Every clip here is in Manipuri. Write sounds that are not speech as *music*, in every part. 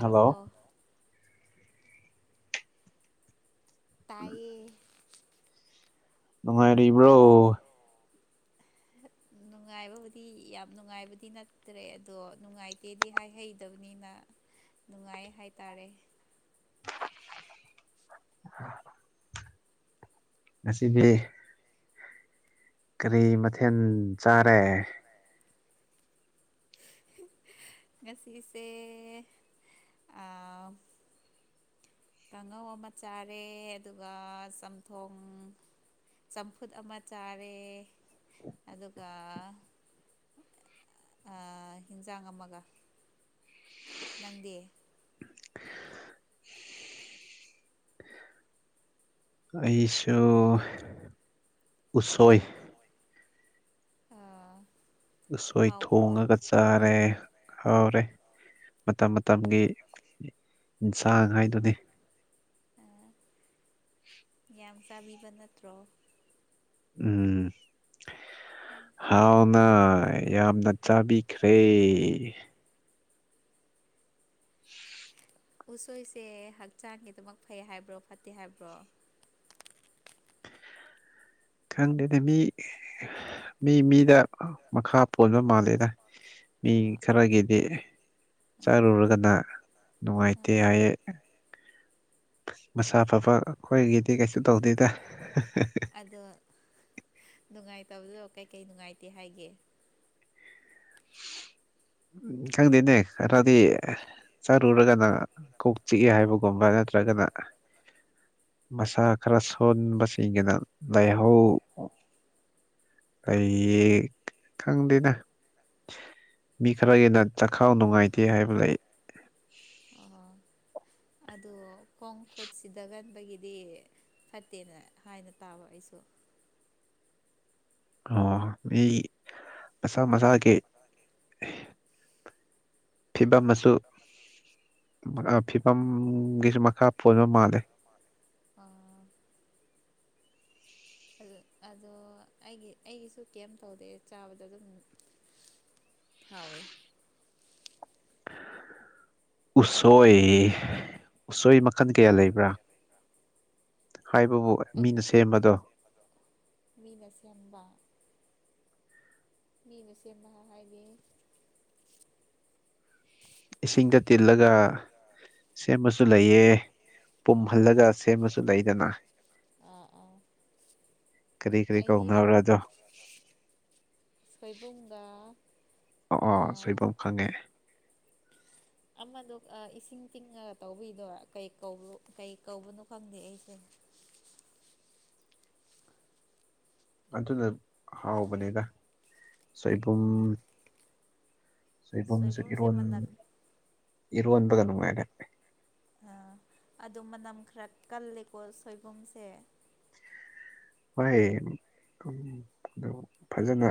ꯑꯔꯕꯣ ꯇꯥꯏꯌꯦ ꯅꯨꯡꯉꯥꯏꯔꯤ ꯏꯕ꯭ꯔꯣ *unintelligible* ꯅꯨꯡꯉꯥꯏꯕꯕꯨꯗꯤ ꯌꯥꯝ ꯅꯨꯡꯉꯥꯏꯕꯗꯤ ꯅꯠꯇ꯭ꯔꯦ ꯑꯗꯣ ꯅꯨꯡꯉꯥꯏꯇꯦꯗꯤ ꯍꯥꯏꯍꯩꯗꯕꯅꯤꯅ ꯅꯨꯡꯉꯥꯏ ꯍꯥꯏꯇꯥꯔꯦ *unintelligible* ꯉꯁꯤꯕꯤ ꯀꯔꯤ ꯃꯊꯦꯜ ꯆꯥꯔꯦ ꯉꯁꯤꯁꯦ ꯀꯥꯡꯉꯧ ꯑꯃ ꯆꯥꯔꯦ ꯑꯗꯨꯒ ꯆꯝꯊꯣꯡ ꯆꯝꯐꯨꯠ ꯑꯃ ꯆꯥꯔꯦ ꯑꯗꯨꯒ ꯌꯦꯟꯁꯥꯡ ꯑꯃꯒ ꯅꯪꯗꯦ ꯑꯩꯁꯨ ꯎꯁꯣꯏ ꯑꯥ ꯑꯁꯣꯏ ꯊꯣꯡꯉꯒ ꯆꯥꯔꯦ ꯍꯥꯎꯔꯦ ꯃꯇꯝ ꯃꯇꯝꯒꯤ ꯌꯦꯟꯁꯥꯡ ꯍꯥꯏꯗꯨꯗꯤ ꯑ ꯌꯥꯝ ꯆꯥꯕꯤꯕ ꯅꯠꯇ꯭ꯔꯣ ꯎꯝ ꯍꯥꯎꯅ ꯌꯥꯝꯅ ꯆꯥꯕꯤꯈ꯭ꯔꯦ *inaudible* ꯎꯁꯣꯏꯁꯦ ꯍꯛꯆꯥꯡꯒꯤ ꯑꯗꯨꯃꯛ ꯐꯩ ꯍꯥꯏꯕ꯭ꯔꯣ ꯐꯠꯇꯦ ꯍꯥꯏꯕ꯭ꯔꯣ ꯈꯪꯗꯦꯅꯦ ꯃꯤ ꯃꯤ ꯃꯤꯗ ꯃꯈꯥ ꯄꯣꯟꯕ ꯃꯥꯜꯂꯦꯗ ꯃꯤ ꯑꯣ ꯈꯔꯒꯤꯗꯤ ꯆꯥꯔꯨꯔꯒꯅ ꯅꯨꯡꯉꯥꯏꯇꯦ ꯍꯥꯏꯌꯦꯦ ꯃꯁꯥ ꯐꯕ ꯑꯩꯈꯣꯏꯒꯤꯗꯤ ꯀꯩꯁꯨ ꯇꯧꯗꯦꯗ ꯑꯗꯣ ꯅꯨꯡꯉꯥꯏꯇꯕꯗꯣ ꯀꯩꯀꯩ ꯅꯨꯡꯉꯥꯏꯇꯦ ꯍꯥꯏꯒꯦ *inaudible* ꯎꯝ ꯈꯪꯗꯦꯅꯦ ꯈꯔꯗꯤ ꯆꯥꯔꯨꯔꯒꯅ ꯀꯣꯛ ꯆꯤꯛꯑꯦ ꯍꯥꯏꯕꯒꯨꯝꯕ ꯅꯠꯇ꯭ꯔꯒꯅ ꯃꯁꯥ ꯈꯔ ꯁꯣꯟꯕꯁꯤꯡꯒꯤꯅ ꯂꯥꯏꯍꯧ ꯑꯩ ꯈꯪꯗꯦꯗ ꯃꯤ ꯈꯔꯒꯤꯅ ꯆꯈꯥꯎ ꯅꯨꯡꯉꯥꯏꯇꯦ ꯍꯥꯏꯕ ꯂꯩ ꯑꯣ ꯑ ꯑꯗꯣ ꯈꯣꯡ ꯈꯨꯠꯁꯤꯗꯒꯟꯕꯒꯤꯗꯤ ꯐꯠꯇꯦꯅ ꯍꯥꯏꯅ ꯇꯥꯕ ꯑꯩꯁꯨ *unintelligible* ꯑꯣ ꯃꯤ ꯃꯁꯥ ꯃꯁꯥꯒꯤ ꯐꯤꯕꯝ ꯑꯃꯁꯨ ꯐꯤꯕꯝꯒꯤꯁꯨ ꯃꯈꯥ ꯄꯣꯟꯕ ꯃꯥꯜꯂꯦ ꯑꯣ ꯑꯗꯣ ꯑꯩꯒꯤ ꯑꯩꯒꯤꯁꯨ ꯀꯩꯝ ꯇꯧꯗꯦꯦ ꯆꯥꯕꯗ ꯑꯗꯨꯝ ꯍꯣꯏ ꯎꯁꯣꯏ ꯎꯁꯣꯏ ꯃꯈꯜ ꯀꯌꯥ ꯂꯩꯕ꯭ꯔꯥ ꯍꯥꯏꯕꯕꯨ ꯑꯩ ꯃꯤꯅ ꯁꯦꯝꯕꯗꯣ ꯃꯤꯅ ꯁꯦꯝꯕ ꯃꯤꯅ ꯁꯦꯝꯕ ꯍꯥꯏꯗꯤ ꯏꯁꯤꯡꯗ ꯇꯤꯜꯂꯒ ꯁꯦꯝꯕꯁꯨ ꯂꯩꯑ ꯑꯥ ꯄꯨꯝꯍꯜꯂꯒ ꯁꯦꯝꯕꯁꯨ ꯂꯩꯗꯅ ꯑꯥ ꯑꯥ ꯀꯔꯤ ꯀꯔꯤ ꯑꯩꯗꯤ ꯀꯧꯅꯕꯕ꯭ꯔꯥꯖꯣ ꯨꯡꯒꯥ ꯑꯣ ꯑꯣ ꯁꯣꯏꯕꯝ ꯈꯪꯉꯦ ꯑꯃꯗꯨ ꯏꯁꯤꯡ ꯇꯤꯡꯉꯒ ꯇꯧꯕꯤꯗꯣꯔꯥ ꯀꯩ ꯀꯧꯕ ꯀꯩ ꯀꯧꯕꯅꯣ ꯈꯪꯗꯦ ꯑꯩꯁꯦ *inaudible* ꯑꯗꯨꯅ ꯍꯥꯎꯕꯅꯤꯅ ꯁꯣꯏꯕꯨꯝ ꯎꯝ ꯁꯣ ꯏ ꯁꯣꯏꯕꯨꯝꯁꯦ ꯏ ꯃꯅꯛ ꯏꯔꯗ ꯀꯅꯉꯥꯏꯔꯦ ꯑꯥ ꯑꯗꯨ ꯃꯅꯝ ꯈꯔ ꯀꯜꯂꯦꯀꯣ ꯁꯣꯏꯕꯨꯝꯁꯦ ꯍꯣꯏ ꯑꯗꯨ ꯐꯖꯅ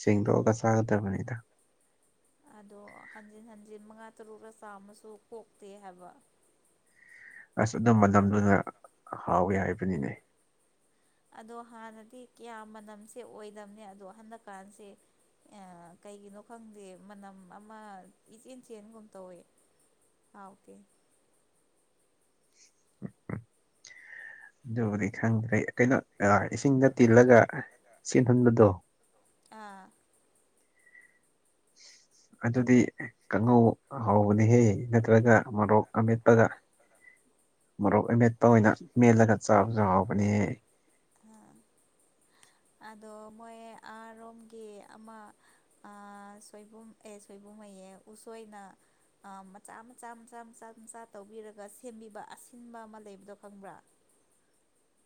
ꯁꯦꯡꯗꯣꯛꯑꯒ ꯆꯥꯒꯗꯕꯅꯤꯗ ꯑꯗꯣ ꯍꯟꯖꯤꯟ ꯍꯟꯖꯤꯟ ꯃꯉꯥ ꯇꯔꯨꯛꯂ ꯆꯥꯃꯨ ꯀꯣꯛꯇꯦ ꯍꯥꯏꯕ ꯑꯁ ꯑꯗꯨꯝꯕꯅꯝꯗꯨꯅ ꯍꯥꯎꯋꯦ ꯍꯥꯏꯕꯅꯤꯅꯦ ꯑꯗꯣ ꯍꯥꯟꯅꯗꯤ ꯀꯌꯥ ꯃꯅꯝꯁꯦ ꯑꯣꯏꯗꯕꯅꯦ ꯑꯗꯣ ꯍꯟꯗꯛꯀꯥꯟꯁꯦ ꯑ ꯀꯩꯒꯤꯅꯣ ꯈꯪꯗꯦ ꯃꯅꯝ ꯑꯃ ꯏꯆꯦꯟ ꯆꯦꯟꯒꯨꯝ ꯇꯧꯏꯦ ꯑꯥ ꯑꯣꯀꯦ ꯎꯝ ꯎ ꯑꯗꯨꯕꯨꯗꯤ ꯈꯪꯗ꯭ꯔꯦ ꯀꯩꯅꯣ ꯏꯁꯤꯡꯗ ꯇꯤꯜꯂꯒ ꯆꯦꯟꯍꯟꯕꯗꯣ ꯑꯥ ꯎ ꯑꯗꯨꯗꯤ ꯀꯥꯡꯉꯧ ꯍꯧꯕꯅꯤꯍꯦ ꯅꯠꯇ꯭ꯔꯒ ꯃꯣꯔꯣꯛ ꯑꯃꯦꯠꯄꯒ ꯃꯔꯣꯛ ꯑꯃꯦꯠꯄ ꯑꯣꯏꯅ ꯃꯦꯜꯂꯒ ꯆꯥꯕꯁꯨ ꯍꯥꯎꯕꯅꯦ *unintelligible* ꯑꯗꯣ ꯃꯣꯏ ꯑꯔꯣꯝꯒꯤ ꯑꯃ ꯁꯣꯏꯕꯨꯝ ꯑꯦ ꯁꯣꯏꯕꯨꯝꯉꯩ ꯎꯁꯣꯏꯅ ꯃꯆꯥ ꯃꯆꯥ ꯃꯆꯥ ꯃꯆꯥ ꯃꯆꯥ ꯇꯧꯕꯤꯔꯒ ꯁꯦꯝꯕꯤꯕ ꯑꯁꯤꯟꯕ ꯑꯃ ꯂꯩꯕꯗꯣ ꯈꯪꯕ꯭ꯔꯥ *unintelligible*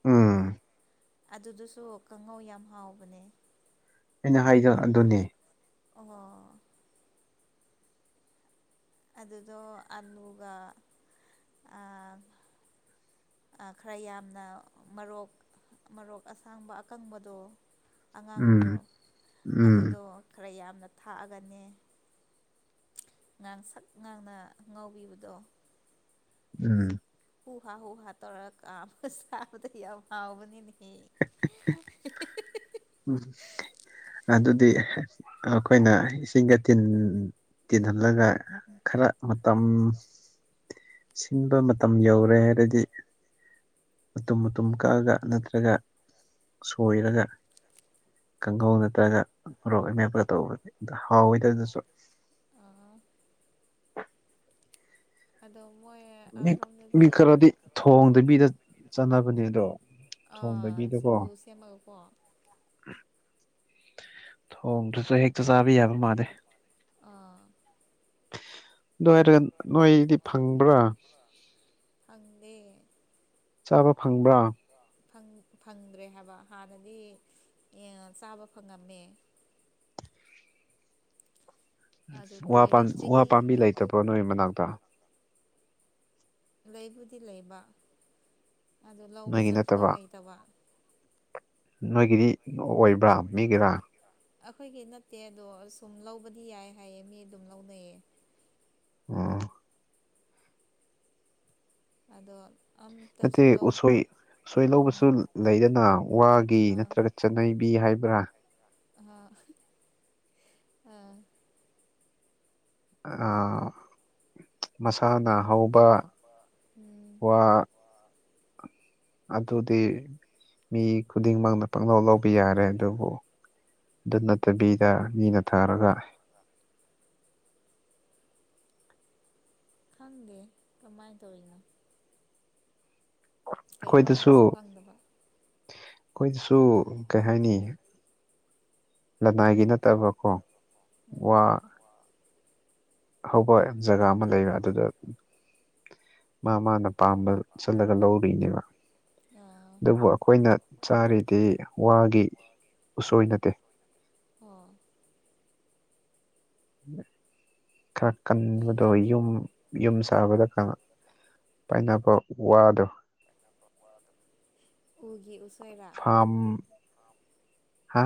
ꯑꯗꯨꯗꯨꯁꯨ ꯀꯥꯡꯍꯧ ꯌꯥꯝ ꯍꯥꯎꯕꯅꯦ ꯑꯩꯅ ꯍꯥꯏꯖ ꯑꯗꯨꯅꯦ ꯑꯣ ꯑꯗꯨ ꯑꯗꯨꯗ ꯑꯂꯒ ꯑ ꯈꯔ ꯌꯥꯝꯅ ꯃꯔꯣꯛ ꯃꯔꯣꯛ ꯑꯁꯥꯡꯕ ꯑꯀꯪꯕꯗꯣ ꯑꯉꯥꯡꯕꯗꯣ ꯎꯝ ꯎꯝ ꯑꯗꯨꯗꯣ ꯈꯔ ꯌꯥꯝꯅ ꯊꯥꯛꯑꯒꯅꯦ ꯉꯥꯡ ꯁꯛ ꯉꯥꯡꯅ ꯉꯥꯎꯕꯤꯕꯗꯣ ꯎꯝ ꯍꯨꯍꯥ ꯍꯨꯍꯥ ꯇꯧꯔꯥ ꯀꯥꯝꯃꯥ‌ ꯆꯥꯕꯗꫭ ꯌꯥꯝ ꯍꯥꯎꯕꯅꯤꯅꯦ ꯍ‌ꯦ ꯎꯝ ꯑꯗꯨꯗꯤ ꯑꯩꯈꯣꯏꯅ ꯏꯁꯤꯡꯒ ꯇꯤꯟ ꯇꯤꯟꯍꯜꯂꯒ ꯈꯔ ꯃꯇꯝ ꯁꯤꯟꯕ ꯃꯇꯝ ꯌꯧꯔꯦ ꯍꯥꯏꯔꯗꯤ ꯃꯇꯨꯝ ꯃꯇꯨꯝ ꯀꯛꯑꯒ ꯅꯠꯇ꯭ꯔꯒ ꯁꯣꯏꯔꯒ ꯀꯥꯡꯍꯧ ꯅꯠꯇ꯭ꯔꯒ ꯃꯣꯔꯣꯛ ꯑꯃꯦꯞꯀꯒꯥ ꯇꯧꯕꯅꯤ ꯑꯗꫭ ꯍꯥꯎꯋꯏꯗ ꯑꯗꯨꯁꯨ ꯑꯥ ꯑꯗꯣ ꯃꯣꯏ ꯃꯤ ꯃꯤ ꯑꯥꯔꯣꯝꯗꯗꯤ ꯈꯔꯗꯤ ꯊꯣꯡꯗꯕꯤꯗ ꯆꯥꯟꯅꯕꯅꯦ ꯑꯗꯣ ꯑꯥ ꯊꯣꯡꯗꯕꯤꯗꯀꯣ ꯁꯤꯡꯖꯨ ꯁꯦꯝꯃꯒꯀꯣ ꯊꫭꯡꯗꯔꯁꯨ ‌ꯍ‌ꯦꯛ ꯆꯥ ꯆꯥꯕ ꯌꯥꯕ ꯃꯥꯜꯂ‌ꯦ ꯑꯥ ꯑꯗꯨꯍꯥꯏꯔꯒ ꯅꯣꯏꯗꯤ ꯐꯪꯕ꯭ꯔꯥ ꯐꯪꯗ‌ꯦ ꯆꯥꯕ ꯐꯪꯕ꯭ꯔꯥ ꯐꯪꯗ꯭ꯔꯦ ꯍꯥꯏꯕ ꯍꯥꯟꯅꯗꯤ ꯆꯥꯕ ꯐꯪꯉꯝꯃꯦ *inaudible* ꯑꯗꯨ ꯀꯨꯏꯔꯦ ꯋꯥꯎ ꯆꯍꯤ ꯄꯥꯝꯕꯤ ꯂꯩꯇꯕ꯭ꯔꯣ ꯅꯣꯏ ꯃꯅꯥꯛꯇ ꯂꯩꯕꯨꯗꯤ ꯂꯩꯕ ꯑꯗꯨ ꯂꯧꯕ ꯅꯣꯏꯒꯤ ꯆꯠꯄꯗꯣ ꯅꯠꯇꯕ ꯍꯩꯇꯕ ꯅꯣꯏꯒꯤꯗꯤ ꯑꯣꯏꯕ꯭ꯔꯥ ꯃꯤꯒꯤꯔꯥ ꯑꯩꯈꯣꯏꯒꯤ ꯅꯠꯇꯦ ꯑꯗꯣ ꯁꯨꯝ ꯂꯧꯕꯗꯤ ꯌꯥꯏ ꯍꯥꯏꯌꯦ ꯃꯤ ꯑꯗꯨꯝ ꯂꯧꯅꯩꯌꯦ ꯑꫭ ꯑꯗꯣ ꯅꯠꯇꯦ ꯑꯝꯇꯁꯨ ꯂꯧ ꯎꯁꯣꯏ ꯎꯁꯣꯏ ꯎꯝ ꯂꯧꯕꯁꯨ ꯂꯩꯗꯅ ꯋꯥꯒꯤ ꯅꯠꯇ꯭ꯔꯒ ꯆꯠꯅꯩ ꯕꯤ ꯍꯥꯏꯕ꯭ꯔꯥ ꯑ ꯑ ꯑꯥ ꯃꯁꯥꯅ ꯍꯧꯕ ꯎꯝ ꯋꯥ ꯑꯗꯨꯗꯤ ꯃꯤ ꯈꯨꯗꯤꯡꯃꯛꯅ ꯄꯪꯅꯧ ꯂꯧꯕ ꯌꯥꯔꯦ ꯑꯗꯨꯕꯨ ꯑꯗꯨ ꯅꯠꯇꯕꯤꯗ ꯃꯤꯅ ꯊꯥꯔꯒ ꯈꯪꯗꯦ ꯀꯃꯥꯏ ꯇꯧꯔꯤꯅꯣ ꯀꯩ ꯑꯩꯈꯣꯏꯗꯁꯨ ꯋꯥꯔꯁꯨ ꯈꯪꯗꯕ ꯑꯩꯈꯣꯏꯗꯁꯨ ꯀꯩ ꯍꯥꯏꯅꯤ ꯂꯅꯥꯏꯒꯤ ꯅꯠꯇꯕꯀꯣ ꯎꯝ ꯋꯥ ꯍꯧꯕ ꯌꯥꯝ ꯖꯒꯥ ꯑꯃ ꯂꯩꯕ ꯑꯗꯨꯗ ꯃꯥ ꯃꯥꯅ ꯄꯥꯝꯕ ꯆꯠꯂꯒ ꯂꯧꯔꯔꯤꯏꯅꯦꯕ ꯑꯥ ꯑꯗꯨꯕꯨ ꯑꯩꯈꯣꯏꯅ ꯆꯥꯔꯤꯗꯤ ꯋꯥꯒꯤ ꯎꯁꯣꯏ ꯅꯠꯇꯦ ꯑꯣ ꯈꯔꯥ ꯀꯩꯒꯤ ꯀꯟꯕꯗꫭ ꯌꯨꯝ ꯌꯨꯝ ꯁꯥꯕꯗ ꯄꯥꯏꯅꯕ ꯋꯥꯗꯣ ꯎꯒꯤ ꯎꯁꯣꯏꯔꯥ ꯐꯥꯝ ꯍꯥ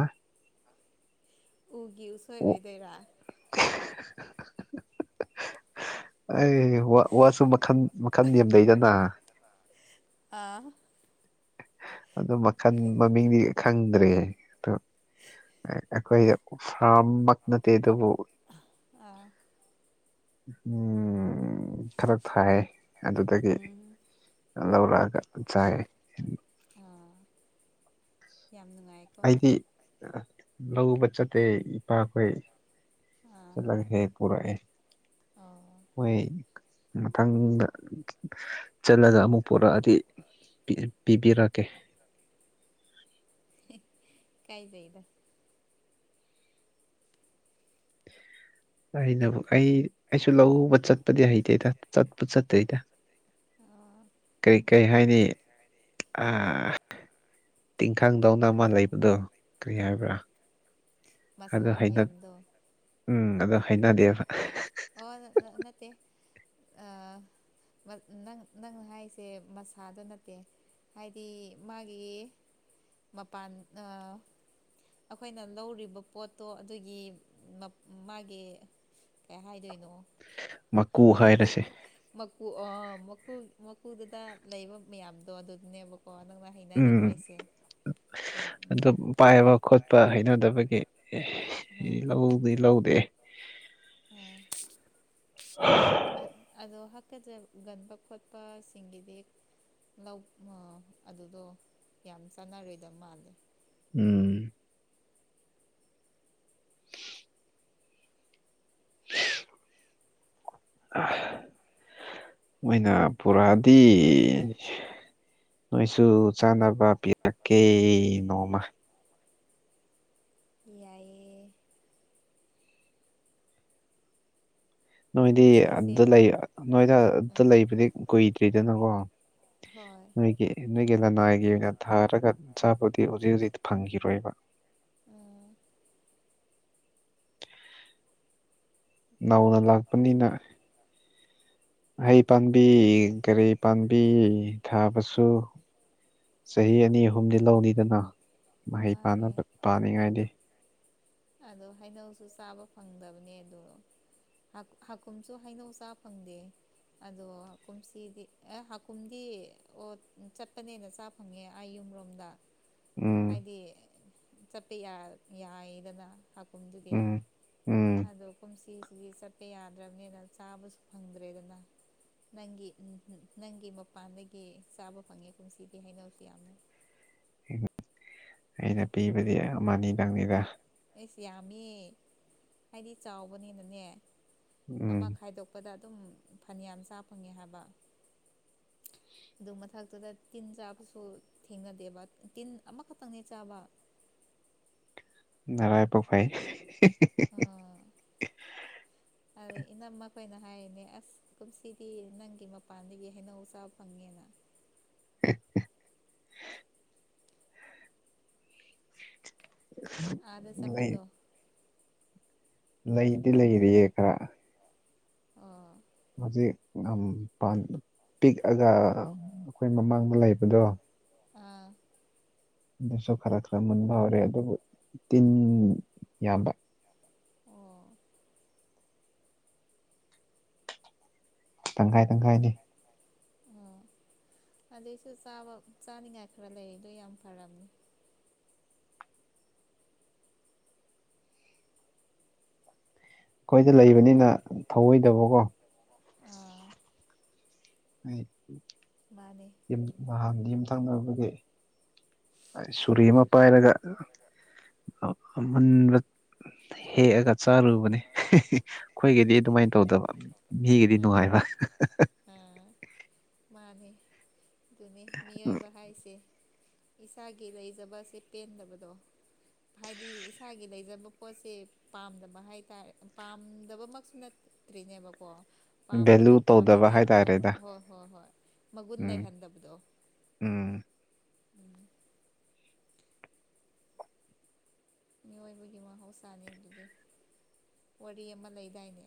ꯎꯒꯤ ꯎꯁꯣꯏ ꯑꯣꯏꯗꯣꯏꯔꯥ *unintelligible* ꯑꯩ ꯋꯥꯁꯨ ꯃꯈꯜ ꯃꯈꯟ ꯌꯥꯝ ꯂꯩꯩꯗꯅ ꯑꯥ ꯑꯗꯨ ꯃꯈꯜ ꯃꯃꯤꯡꯗꯤ ꯈꯪꯗ꯭ꯔꯦ ꯑꯗꫭ ꯑꯩꯈꯣꯏ ꯐꯔꯝ ꯅꯠꯇ ꯑꯗꯨꯕꯨ ꯑꯥ ꯎꯝ ꯈꯔ ꯊꯥꯏ ꯑꯗꯨꯗꯒꯤ ꯎꯝ ꯂꯧꯔꯛꯑꯒ ꯆꯥꯏ ꯑꯥ ꯌꯥꯝ ꯅꯨꯡꯉꯥꯏꯀꯣ ꯑꯩꯗꯤ ꯂꯧꯕ ꯆꯠꯇꯦ ꯏꯄꯥꯈꯣꯏ ꯑꯥ ꯆꯠꯂꯒ ꯍꯦꯛ ꯄꯨꯔꯛꯑꯦ ꯑꯣ ꯍꯣꯏꯏꯥꯦ ꯃꯊꯪꯗ ꯆꯠꯂꯒ ꯑꯃꯨꯛ ꯄꯣꯔꯛꯑꯗꯤ ꯄꯤꯕꯤꯔ ꯀꯦ ꯀꯥꯏꯖꯩꯗ ꯑꯩꯅꯕꯨ ꯑꯩ ꯑꯩꯁꯨ ꯂꯧꯎꯕ ꯆꯠꯄꯗꯤ ꯍꯩꯇꯦꯗ ꯆꯠꯄ ꯆꯠꯇꯦꯗ ꯑ ꯀꯔꯤ ꯀꯔꯤ ꯍꯥꯏꯅꯤ ꯇꯤꯡꯈꯥꯡꯗꯧꯅ ꯅꯃ ꯂꯩꯕꯗꯣ ꯀꯔꯤ ꯍꯥꯏꯕ꯭ꯔꯥ ꯎꯝ ꯑꯗꯣ ꯃꯁꯥ ꯍꯩꯅ ꯃꯌꯥꯝꯗꯣ ꯎꯝ ꯑꯣ ꯍꯥꯏꯅꯗꯦꯕ ꯑꯣ ꯅꯠꯇꯦ *unintelligible* ꯅꯪ ꯅꯪ ꯍꯥꯏꯔꯤꯁꯦ ꯃꯁꯥꯗ ꯅꯠꯇꯦ ꯍꯥꯏꯗꯤ ꯃꯥꯒꯤ ꯃꯄꯥꯟ ꯑꯩꯈꯣꯏꯅ ꯂꯧꯔꯤꯕ ꯄꯣꯠꯇꯣ ꯑꯗꯨꯒꯤ ꯃꯥꯒꯤ ꯀꯩ ꯍꯥꯏꯗꯣꯏꯅꯣ ꯃꯀꯨ ꯍꯥꯏꯔꯁꯦ ꯃꯀꯨ ꯃꯀꯨ ꯃꯀꯨꯗꯨꯗ ꯂꯩꯕ ꯃꯌꯥꯝꯗꯣ ꯑꯗꯨꯅꯦꯕ ꯎꯝ ꯎꯝ ꯑꯗꯨ ꯄꯥꯏꯕ ꯈꯣꯠꯄ ꯍꯩꯅꯗꯕꯒꯤ ꯎꯝ ꯂꯧꯗꯤ ꯂꯧꯗꯦ ꯑ ꯑꯗꯣ ꯟꯕ ꯈꯣꯠꯄꯁꯤꯡꯒꯤꯗꯤ ꯂꯧ ꯑꯗꯨꯗꯣ ꯌꯥꯝ ꯆꯥꯟꯅꯔꯣꯏꯗ ꯃꯥꯜꯂꯦ ꯎꯝ ꯃꯣꯏꯅ ꯄꯨꯔꯥꯗꯤ ꯅꯣꯏꯁꯨ ꯆꯥꯅꯕ ꯄꯤꯔꯀꯦ ꯅꯣꯡꯃ ꯌꯥꯏ ꯅꯣꯏꯗꯤ ꯑꯗꯨꯗ ꯀꯨꯝꯁꯤꯁꯦ ꯂꯩ ꯅꯣꯏꯗ ꯑꯗꯨꯗ ꯎꯝ ꯂꯩꯕꯗꯤ ꯀꯨꯏꯗ꯭ꯔꯤꯗꯅꯀꯣ ꯍꯣꯏ ꯅꯣꯏꯒꯤ ꯅꯣꯏꯒꯤ ꯂꯅꯥꯏꯒꯤ ꯑꯣꯏꯅ ꯊꯥꯔꯒ ꯆꯆꯥꯄꯨꯗꯤ ꯍꯧꯖꯤꯛ ꯍꯧꯖꯤꯛ ꯐꯪꯈꯤꯔꯣꯏꯕ *unintelligible* ꯎꯝ ꯅꯧꯅ ꯂꯥꯛꯄꯅꯤꯅ ꯍꯩ ꯄꯥꯝꯕꯤ ꯒꯥꯔꯤ ꯄꯥꯝꯕꯤ ꯊꯥꯕꯁꯨ ꯆꯍꯤ ꯑꯅꯤ ꯑꯍꯨꯝꯗꯤ ꯂꯧꯅꯤꯗꯅ ꯃꯍꯩ ꯄꯥ ꯃꯥꯅꯦ ꯄꯥꯅꯤꯡꯉꯥꯏꯗꯤ ꯑꯗꯣ ꯍꯩꯅꯧꯁꯨ ꯆꯥꯕ ꯐꯪꯗꯕꯅꯦ ꯑꯗꯣ ꯍꯥꯀꯨꯝꯁꯨ ꯍꯩꯅꯧ ꯆꯥ ꯐꯪꯗꯦ ꯑꯗꯣ ꯍꯥ ꯀꯨꯝꯁꯤꯗꯤ ꯑꯦ ꯍꯥꯀꯨꯝꯗꯤ ꯑꯣ ꯆꯠꯄꯅꯦꯅ ꯆꯥ ꯐꯪꯉꯦ ꯑꯩ ꯌꯨꯝ ꯑꯃꯔꯣꯝꯗ ꯎꯝ ꯍꯥꯏꯗꯤ ꯆꯠꯄ ꯌꯥꯏꯗꯅ ꯍꯥꯀꯨꯝꯗꯨꯒꯤ ꯎꯝ ꯎꯝ ꯑꯗꯣ ꯀꯨꯝꯁꯤꯁꯤꯗꯤ ꯆꯠ ꯆꯤꯛꯄ ꯌꯥꯗ꯭ꯔꯕꯅꯤꯅ ꯆꯥꯕꯁꯨ ꯐꯪꯗ꯭ꯔꯦꯗꯅ ꯅꯪꯒꯤ ꯅꯪꯒꯤ ꯃꯄꯥꯟꯗꯒꯤ ꯆꯥꯕ ꯐꯪꯉꯦ ꯀꯟꯁꯤꯗꯤ ꯍꯩꯅꯧꯁꯨ ꯌꯥꯝꯅ ꯑꯩꯅ ꯄꯤꯕꯗꯤ ꯑꯃꯅꯤꯗꯪꯅꯤꯗ ꯌꯥꯝꯃꯤ ꯍꯥꯏꯗꯤ ꯆꯥꯎꯕꯅꯤꯅꯅꯦ ꯎꯝ ꯑꯃ ꯈꯥꯏꯗꯣꯛꯄꯗ ꯑꯗꯨꯝ ꯐꯅꯌꯥꯝ ꯆꯥ ꯐꯪꯉꯦ ꯍꯥꯏꯕ ꯍ *unintelligible* ꯑꯗꯨ ꯃꯊꯛꯇꯨꯗ ꯇꯤꯟ ꯆꯥꯕꯁꯨ ꯊꯦꯡꯅꯗꯦꯕ ꯇꯤꯟ ꯑꯃꯈꯛꯇꯪꯅꯦ ꯆꯥꯕ ꯅꯔꯥꯏ ꯄꯣꯛ ꯐꯥꯏ ꯑꯣ ꯏꯅꯝ ꯃ ꯑꯩꯈꯣꯏꯅ ꯍꯥꯏꯔꯤꯅꯦ ꯑꯁ ꯀꯨꯝꯁꯤꯗꯤ ꯅꯪꯒꯤ ꯃꯄꯥꯟꯗꯒꯤ ꯍꯩꯅꯧ ꯆꯥꯕ ꯐꯪꯉꯦꯅ *unintelligible* *unintelligible* ꯑꯥꯗ ꯂꯩ ꯆꯠꯄꯗꯣ ꯂꯩꯗꯤ ꯂꯩꯔꯤꯌꯦ ꯈꯔ ꯑ ꯃꯥꯖꯤ *unintelligible* ꯄꯤꯛꯑꯒ ꯑꯩꯈꯣꯏ ꯃꯃꯥꯡꯗ ꯂꯩꯕꯗꯣ ꯑꯥ ꯑꯗꯨꯁꯨ ꯈꯔ ꯈꯔ ꯃꯨꯟꯕ ꯍꯧꯔꯦ ꯑꯗꯨꯕꯨ ꯇꯤꯟ ꯌꯥꯝꯕ ꯑꯣ ꯇꯪꯈꯥꯏ ꯇꯪꯈꯥꯏꯗꯤ ꯑꯣ ꯑꯗꯨꯏꯁꯨ ꯆꯥꯕ ꯆꯥꯅꯤꯡꯉꯥꯏ ꯈꯔ ꯂꯩꯔꯤꯗꯣ ꯌꯥꯝ ꯐꯔꯝꯅꯤ ꯑꯩꯈꯣꯏꯗ ꯂꯩꯕꯅꯤꯅ ꯊꯧꯑꯣꯏꯗꯕ ꯀꯣ ꯑꯥ ꯃꯥꯅꯦ ꯑꯩ *unintelligible* ꯌꯨꯝꯊꯪꯅꯕꯒꯤ ꯁꯨꯔꯤ ꯑꯃ ꯄꯥꯏꯔꯒ *unintelligible* ꯍꯦꯛꯑꯒ ꯇꯥꯔꯨꯕꯅꯦ ꯈꯣꯏꯒꯤꯗꯤ ꯗꯨꯃꯥꯏ ꯇꯧꯗꯕ ꯃꯤꯒꯤꯗꯤ ꯎꯝ ꯅꯨꯡꯉꯥꯏꯕ ꯃꯥꯅꯤ ꯑꯗꯨꯅꯤ ꯃꯤꯑꯣꯏꯕ ꯍꯥꯏꯁꯦ ꯏꯁꯥꯒꯤ ꯂꯩꯖꯕꯁꯦ ꯄꯦꯟꯗꯕꯗꯣ ꯍꯥꯏꯗꯤ ꯏꯁꯥꯒꯤ ꯂꯩꯖꯕ ꯄꯣꯠꯁꯦ ꯄꯥꯝꯗꯕ ꯍꯥꯏ *unintelligible* ꯄꯥꯝꯗꯕꯃꯛꯁꯨ ꯅꯠꯇ꯭ꯔꯤꯅꯦꯕꯀꯣ ꯚꯦꯂꯨ ꯄꯥꯝꯕꯨꯗꯤ ꯇꯧꯗꯕ ꯄꯥꯝꯃꯤꯅꯦ ꯑꯗꯣ ꯍꯥꯏꯇꯥꯔꯦꯗ ꯍꯣꯏ ꯍꯣꯏ ꯍꯣꯏ ꯃꯒꯨꯟ ꯎꯝ ꯂꯩꯍꯟꯗꯥꯕꯗꯣ ꯎꯝ *inaudible* ꯃꯤꯑꯣꯏꯕꯒꯤ ꯃꯍꯧꯁꯥꯅꯤ ꯗꯨꯗꯤ ꯋꯥꯔꯤ ꯑꯃꯥ ꯂꯩꯗꯥꯏꯅꯦ